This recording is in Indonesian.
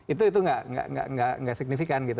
itu nggak signifikan gitu